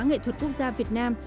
nghệ thuật quốc gia việt nam